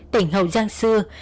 tỉnh hậu giang xưa